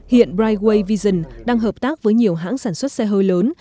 hiện brighway vision đang hợp tác với nhiều hãng sản xuất xe hơi lớn